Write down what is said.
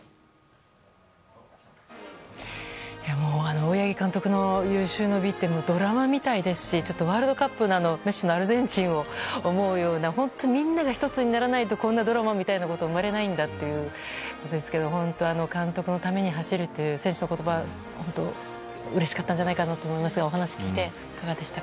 大八木監督の有終の美ってドラマみたいですしワールドカップのメッシのアルゼンチンを思うような本当にみんなが１つにならないとこんなドラマは生まれないんだということですけど監督のために走るという選手の言葉は本当にうれしかったんじゃないかと思いますけどもお話を聞いていかがでしたか？